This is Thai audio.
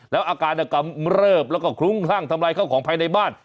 แล้วอาการกำเลิภแล้วคลุ้งทังทำรายของภายในบ้าน